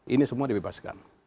ini semua dibebaskan